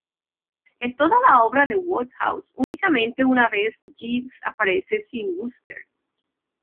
En toda la obra de Wodehouse únicamente una vez Jeeves aparece sin Wooster.